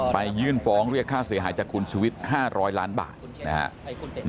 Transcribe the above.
ยื่นฟ้องเรียกค่าเสียหายจากคุณชุวิต๕๐๐ล้านบาทนะฮะ